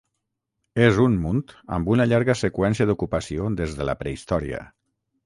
És un munt amb una llarga seqüència d'ocupació des de la prehistòria.